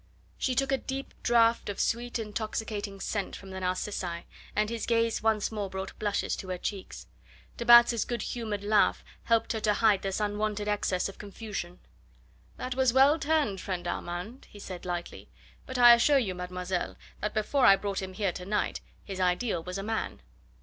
She took a deep draught of sweet, intoxicating scent from the narcissi, and his gaze once more brought blushes to her cheeks. De Batz' good humoured laugh helped her to hide this unwonted access of confusion. "That was well turned, friend Armand," he said lightly; "but I assure you, mademoiselle, that before I brought him here to night his ideal was a man."